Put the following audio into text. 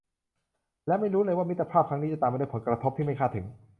และไม่รู้เลยว่ามิตรภาพครั้งนี้จะตามมาด้วยผลกระทบที่คาดไม่ถึง